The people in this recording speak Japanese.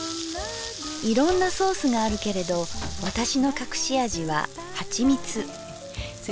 いろんなソースがあるけれど私の隠し味ははちみつ。